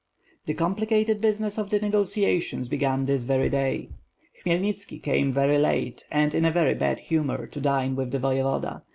The complicated business of the negotiations began this very day. Khmyelnitski came very late and in a very bad humor to dine with the Voyevoda.